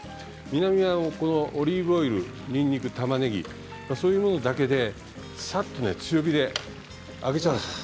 南はオリーブオイルにんにく、たまねぎそういうものだけでさっと強火で揚げちゃうんですよ。